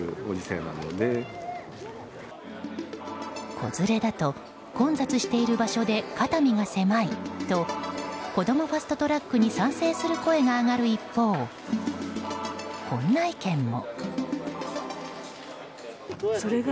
子連れだと混雑している場所で肩身が狭いとこどもファスト・トラックに賛成する声が上がる一方こんな意見も。